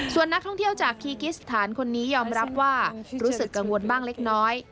ส่วนนักท่องเที่ยวจากคีกิสถานคนนี้ยอมรับว่ารู้สึกกังวลบ้างเล็กน้อย